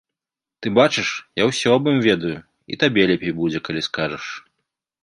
Ты бачыш, я ўсё аб ім ведаю, і табе лепей будзе, калі скажаш.